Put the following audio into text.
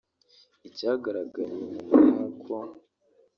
Icyagaragaye nyuma ni uko